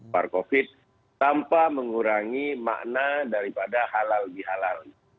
par covid tanpa mengurangi makna daripada halal di halal